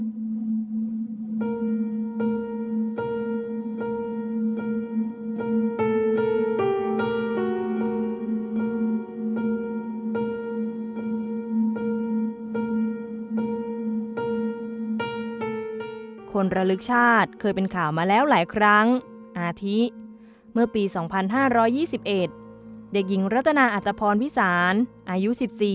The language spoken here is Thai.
ระลึกชาติเคยเป็นข่าวมาแล้วหลายครั้งอาทิเมื่อปี๒๕๒๑เด็กหญิงรัตนาอัตภพรวิสานอายุ๑๔